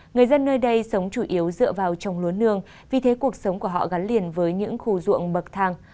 người dân nơi đây sống chủ yếu dựa vào trồng lúa nương vì thế cuộc sống của họ gắn liền với những khu ruộng bậc thang